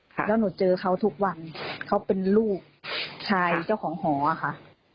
แล้วหนูเจอเขาทุกวันเขาเป็นลูกชายเจ้าของหอค่ะ